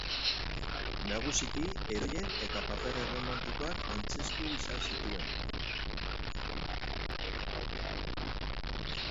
Nagusiki heroien eta paper erromantikoak antzeztu izan zituen.